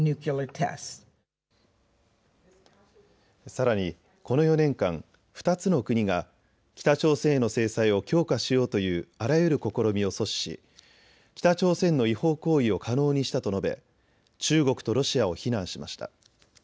さらに、この４年間、２つの国が北朝鮮への制裁を強化しようというあらゆる試みを阻止し北朝鮮の違法行為を可能にしたと述べ中国とロシアを非難しました。